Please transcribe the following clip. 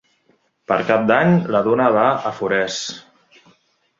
Per Cap d'Any na Duna va a Forès.